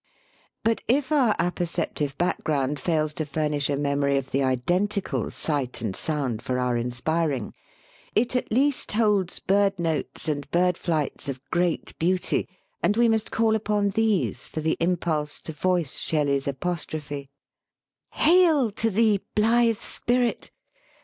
But if our apperceptive background fails to furnish a memory of the identical sight and sound for our inspiring, it at least holds bird notes and bird flights of great beauty, and we must call upon these for the impulse to voice Shelley's apostro phe: THE SPEAKING VOICE "Hail to thee, blithe Spirit!